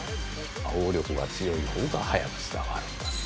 応力が強い方が早く伝わるんだ。